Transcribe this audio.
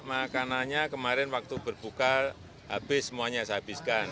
makanannya kemarin waktu berbuka habis semuanya saya habiskan